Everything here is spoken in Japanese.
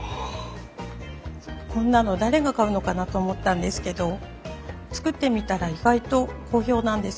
こんなの誰が買うのかなと思ったんですけど作ってみたら意外と好評なんです。